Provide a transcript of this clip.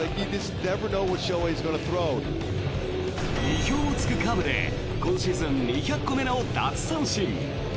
意表を突くカーブで今シーズン２００個目の奪三振。